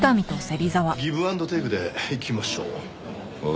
ギブ・アンド・テイクでいきましょう。